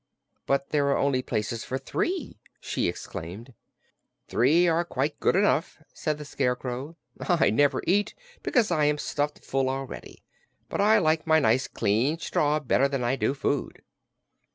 "But there are only places for three!" she exclaimed. "Three are quite enough," said the Scarecrow. "I never eat, because I am stuffed full already, and I like my nice clean straw better than I do food."